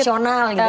emosional gitu ya